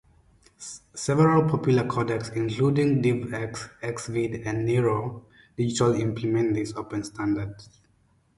Several popular codecs including DivX, Xvid and Nero Digital implement this standard.